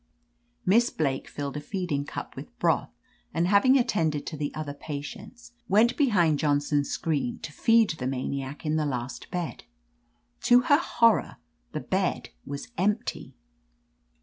"Miss Blake filled a feeding cup with broth, and having attended to the other patients, went behind Johnson's screen to feed the maniac in the last bed. To her horror, the bed was empty